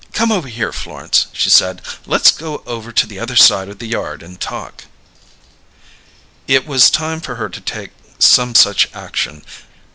"Come over here, Florence," she said. "Let's go over to the other side of the yard and talk." It was time for her to take some such action.